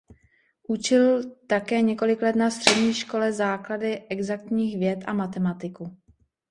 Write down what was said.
Učil také několik let na střední škole základy exaktních věd a matematiku.